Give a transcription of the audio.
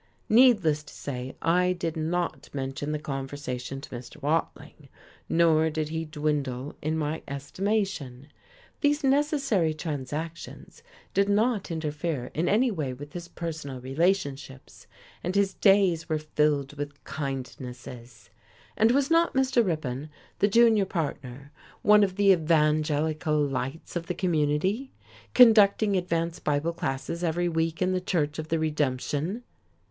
Needless to say, I did not mention the conversation to Mr. Watling, nor did he dwindle in my estimation. These necessary transactions did not interfere in any way with his personal relationships, and his days were filled with kindnesses. And was not Mr. Ripon, the junior partner, one of the evangelical lights of the community, conducting advanced Bible classes every week in the Church of the Redemption?...